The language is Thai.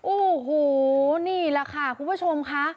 โอ้โหนี่แหละค่ะคุณผู้ชมค่ะ